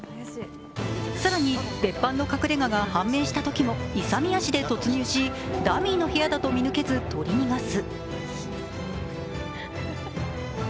更に、別班の隠れ家が判明したときも勇み足で突入しダミーの部屋だと見抜けず、取り逃がす。